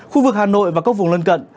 khu vực hà nội và các vùng lân cận